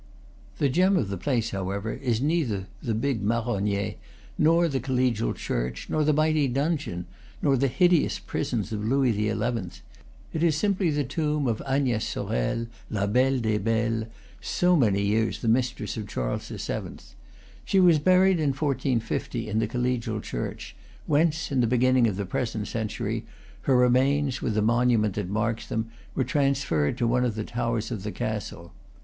The gem of the place, however, is neither the big marronier, nor the collegial church, nor the mighty dungeon, nor the hideous prisons of Louis XI.; it is simply the tomb of Agnes Sorel, la belle des belles, so many years the mistress of Charles VII. She was buried, in 1450, in the collegial church, whence, in the beginning of the present century, her remains, with the monument that marks them, were transferred to one of the towers of the castle.